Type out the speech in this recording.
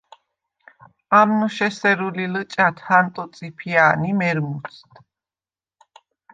ამნოშ ესერუ ლი ლჷჭა̈თ ჰანტო წიფია̄ნ ი მერმუცდ!